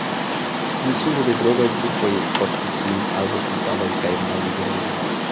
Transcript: Misuzo de drogoj plurfoje portis lin al hospitaloj kaj malliberejoj.